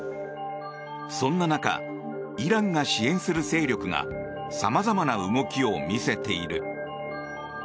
そんな中イランが支援する勢力がさまざまな動きを見せている。